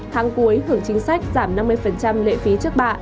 tháng cuối hưởng chính sách giảm năm mươi lệ phí trước bạ